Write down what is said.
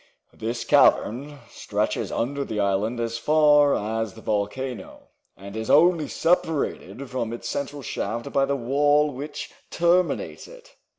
"This cavern stretches under the island as far as the volcano, and is only separated from its central shaft by the wall which terminates it.